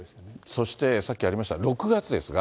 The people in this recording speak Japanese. そしてさっきありました６月ですが。